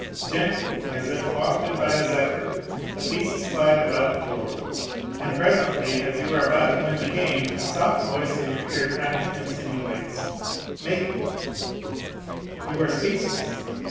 I Gently as if wafted by a zephyr the pieces glide about the board ; and presently as you are about to win the game a soft voice in your ear kindly insinuates, Mate I You are speechless.